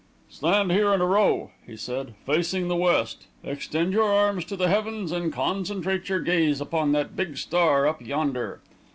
"Stand here in a row," he said, "facing the west. Extend your arms to the heavens and concentrate your gaze upon that big star up yonder.